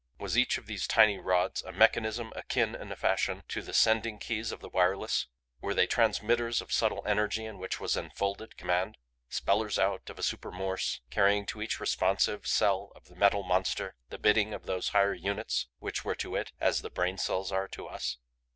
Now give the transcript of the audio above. Was each of these tiny rods a mechanism akin, in a fashion, to the sending keys of the wireless; were they transmitters of subtle energy in which was enfolded command? Spellers out of a super Morse carrying to each responsive cell of the Metal Monster the bidding of those higher units which were to It as the brain cells are to us?